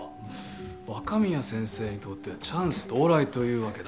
若宮先生にとってはチャンス到来というわけだ。